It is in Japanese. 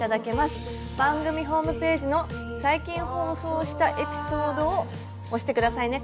番組ホームページの「最近放送したエピソード」を押して下さいね。